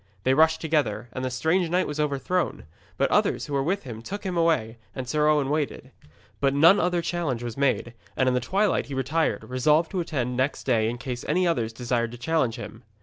They rushed together, and the strange knight was overthrown. But others who were with him took him away, and Sir Owen waited. But none other challenge was made, and in the twilight he retired, resolved to attend next day in case any others desired to challenge him.